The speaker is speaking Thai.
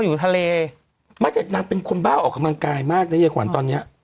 อยู่ทะเลมาจากนางเป็นคนบ้าออกกำลังกายมากนะยายขวัญตอนเนี้ย